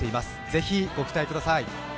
ぜひご期待ください。